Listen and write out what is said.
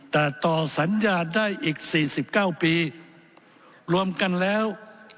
แต่ต่อสัญญาได้อีก๔๙ปีรวมกันแล้ว